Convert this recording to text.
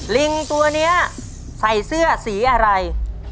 ลิงตัวนี้ใส่เสื้อสีอะไร